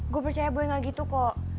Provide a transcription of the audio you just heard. gue percaya gue gak gitu kok